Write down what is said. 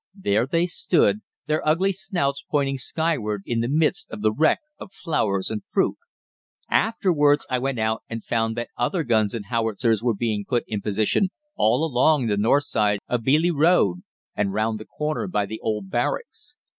There they stood, their ugly snouts pointing skyward in the midst of the wreck of flowers and fruit. "Afterwards I went out and found that other guns and howitzers were being put in position all along the north side of Beeleigh Road, and round the corner by the Old Barracks.